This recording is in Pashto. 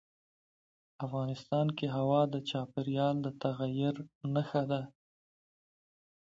افغانستان کې هوا د چاپېریال د تغیر نښه ده.